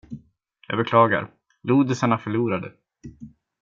Jag beklagar. Lodisarna förlorade!